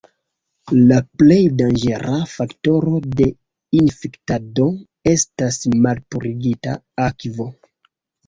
La plej danĝera faktoro de infektado estas malpurigita akvo.